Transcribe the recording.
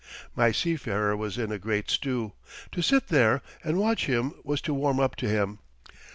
My seafarer was in a great stew. To sit there and watch him was to warm up to him.